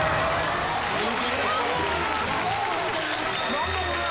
「何だこれ？